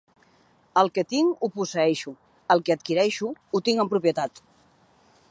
El que tinc, ho posseeixo; el que adquireixo, ho tinc en propietat.